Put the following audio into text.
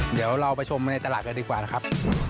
เดี๋ยวเราไปชมในตลาดกันดีกว่านะครับ